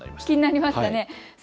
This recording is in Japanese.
気になりますね。